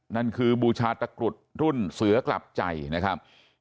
นั่นคือบูชาตะกรุดรุ่นเสือกลับใจนะครับ